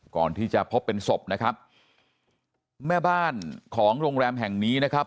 ก่อนที่จะพบเป็นศพนะครับแม่บ้านของโรงแรมแห่งนี้นะครับ